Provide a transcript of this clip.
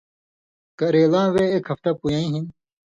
کرېلاں وے ایک ہفتہ پویَیں ہِن